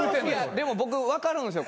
でも僕分かるんですよ